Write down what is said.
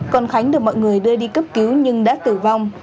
còn khánh được mọi người đưa đi cấp cứu nhưng đã tử vong